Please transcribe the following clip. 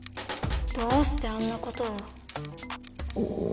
どうしてあんなことを。